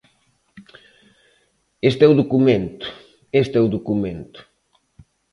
Este é o documento, este é o documento.